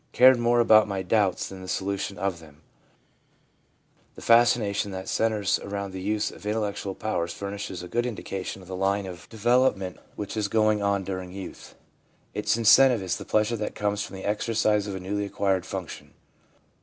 'Cared more about my doubts than the solution of them/ The fascination that centres around the use of intellectual powers furnishes a good indication of the line of de 272 THE PSYCHOLOGY OF RELIGION velopment which is going on during youth. Its incentive is the pleasure that comes from the exercise of a newly acquired function.